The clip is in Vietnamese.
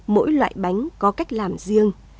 mỗi loại bánh có cách làm riêng